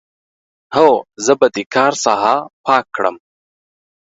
هو، زه به د کار ساحه پاک کړم.